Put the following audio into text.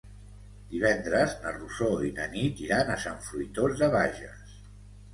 Divendres na Rosó i na Nit iran a Sant Fruitós de Bages.